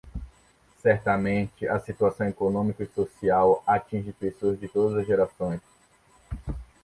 Certamente a situação econômica e social atinge pessoas de todas as gerações.